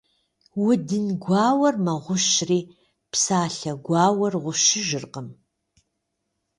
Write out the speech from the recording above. Удын гуауэр мэгъущри, псалъэ гуауэр гъущыжыркъым.